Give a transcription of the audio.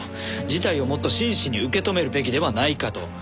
事態をもっと真摯に受け止めるべきではないかと。